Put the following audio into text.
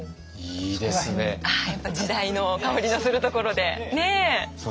やっぱ時代の薫りのするところで。